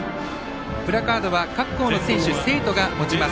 プラカードは各校の選手、生徒が持ちます。